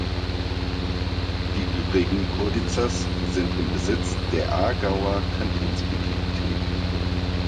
Die übrigen Kodizes sind im Besitz der Aargauer Kantonsbibliothek.